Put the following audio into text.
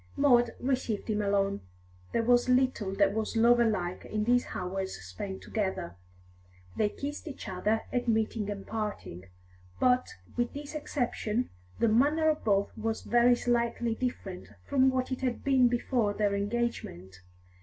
Maud received him alone. There was little that was lover like in these hours spent together. They kissed each other at meeting and parting, but, with this exception, the manner of both was very slightly different from what it had been before their engagement.